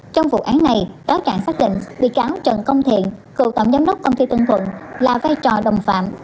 trong vụ án này cáo trạng xác định bị cáo trần công thiện cựu tổng giám đốc công ty tân thuận là vai trò đồng phạm